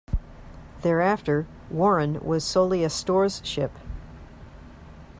Thereafter, "Warren" was solely a stores ship.